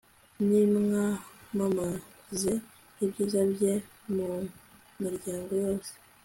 nimwamamaze ibyiza bye mu miryango yose